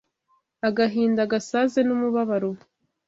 agahinda gasaze n’umubabaro